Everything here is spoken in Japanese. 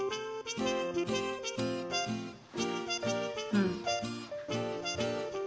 うん！